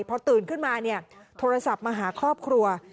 พอตื่นขึ้นมาโทรศัพท์มาหาครอบครัว